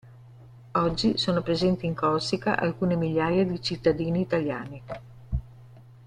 Oggi sono presenti in Corsica alcune migliaia di cittadini italiani.